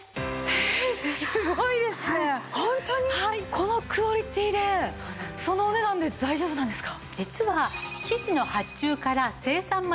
このクオリティーでそのお値段で大丈夫なんですか？